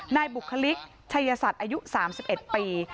นายบุคลิกชัยสัตว์อายุ๓๑ปี